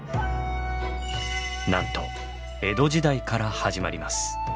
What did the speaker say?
なんと江戸時代から始まります。